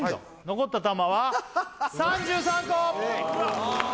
残った球は３３個！